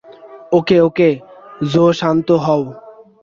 ওকে, okay, Jo শান্ত হও।